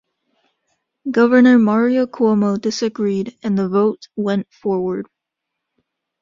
Governor Mario Cuomo disagreed, and the vote went forward.